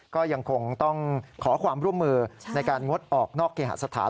ก็ยังคงต้องขอความร่วมมือในการงดออกนอกเคหสถาน